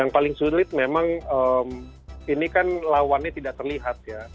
yang paling sulit memang ini kan lawannya tidak terlihat ya